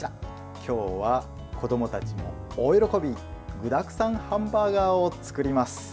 今日は子どもたちも大喜び具だくさんハンバーガーを作ります。